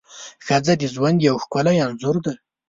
ښځه د ژوند یو ښکلی انځور ده.